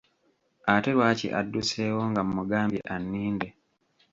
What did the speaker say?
Ate lwaki adduseewo nga mmugambye anninde?